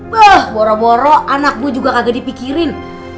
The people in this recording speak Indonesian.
bah boro boro anak gue juga kagak dipikirin